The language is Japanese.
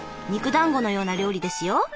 肉だんごのような料理ですよ。